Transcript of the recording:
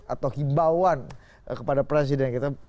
atau kibauan kepada presiden